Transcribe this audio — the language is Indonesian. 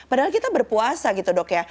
itu bisa dibuasa gitu dok ya